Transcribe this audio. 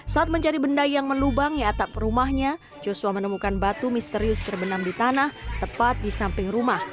saat mencari benda yang melubangi atap rumahnya joshua menemukan batu misterius terbenam di tanah tepat di samping rumah